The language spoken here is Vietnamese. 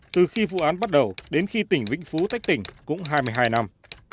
từ khi vụ án bắt đầu đến khi tỉnh vĩnh phúc tách tỉnh cũng hai mươi hai năm